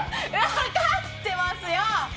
分かってますよ！